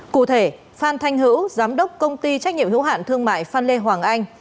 cụ thể phan thanh hữu giám đốc công ty trách nhiệm hữu hạn thương mại phan lê hoàng anh